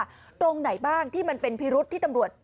ตรงไหนบ้างที่มันเป็นพิรุษที่ตำรวจ